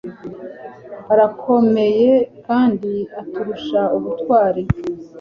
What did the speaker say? Arakomeye kandi aturusha ubutwari